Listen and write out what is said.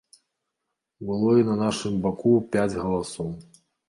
Было і на нашым баку пяць галасоў.